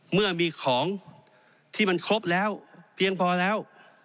เมื่อมีของที่มันครบแล้วเพียงพอแล้ว